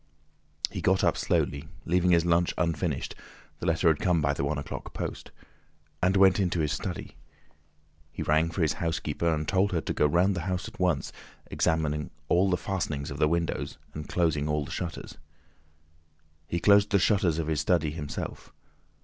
He got up slowly, leaving his lunch unfinished—the letter had come by the one o'clock post—and went into his study. He rang for his housekeeper, and told her to go round the house at once, examine all the fastenings of the windows, and close all the shutters. He closed the shutters of his study himself.